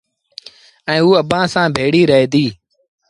ائيٚݩٚ اوٚ اڀآنٚ سآݩٚ ڀيڙيٚ رهي ديٚ